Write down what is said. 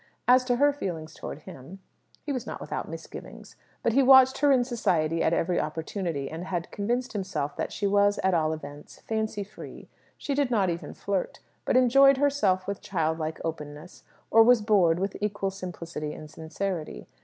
As to her feelings towards him, he was not without misgivings. But he watched her in society at every opportunity, and had convinced himself that she was, at all events, fancy free. She did not even flirt; but enjoyed herself with child like openness: or was bored with equal simplicity and sincerity.